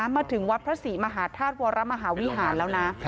มาถึงวัดพระศรีมหาธาตุวรมหาวิหารแล้วนะ